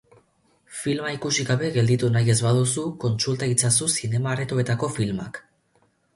Filma ikusi gabe gelditu nahi ez baduzu, kontsulta itzazu zinema-aretoetako filmak.